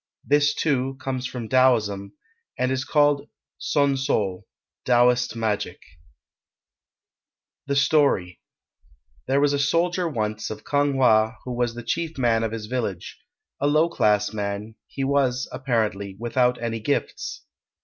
This, too, comes from Taoism, and is called son sul, Taoist magic] The Story There was a soldier once of Kang wha who was the chief man of his village; a low class man, he was, apparently, without any gifts.